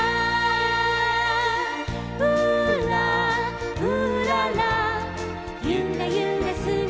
「うーらうーらら」「ゆらゆら姿が」